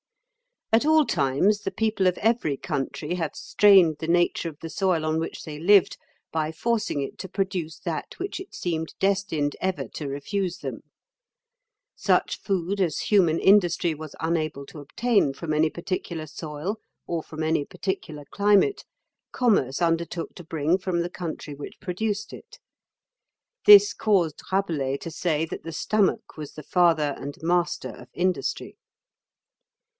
At all times the people of every country have strained the nature of the soil on which they lived by forcing it to produce that which it seemed destined ever to refuse them. Such food as human industry was unable to obtain from any particular soil or from any particular climate, commerce undertook to bring from the country which produced it. This caused Rabelais to say that the stomach was the father and master of industry.